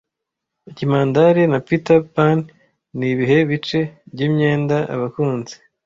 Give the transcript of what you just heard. Ikimandare na Peter Pan nibihe bice byimyenda Abakunzi